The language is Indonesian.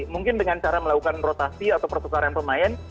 mungkin dengan cara melakukan rotasi atau pertukaran pemain